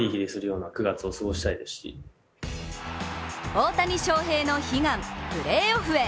大谷翔平の悲願、プレーオフへ。